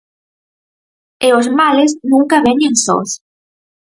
E os males nunca veñen sós.